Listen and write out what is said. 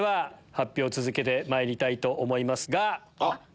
発表続けてまいりたいと思いますが。